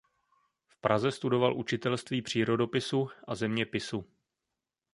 V Praze studoval učitelství přírodopisu a zeměpisu.